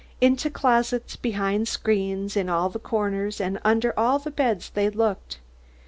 Into closets, behind screens, in all the corners, and under all the beds they looked.